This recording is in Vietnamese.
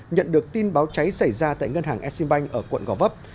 nhận được tin báo cháy xảy ra tại ngân hàng exim bank ở quận gò vấp